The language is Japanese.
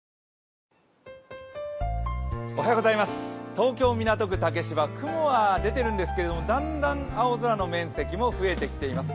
東京・港区竹芝、雲は出てるんですけど、だんだん青空の面積も増えてきています。